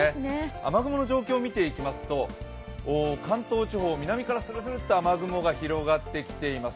雨雲の状況見ていきますと関東地方南からするするっと雨雲が広がってきています。